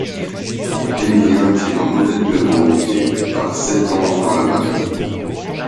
Émilien tire un mauvais numéro et part sept ans dans la marine.